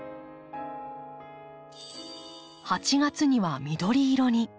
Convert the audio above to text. ８月には緑色に。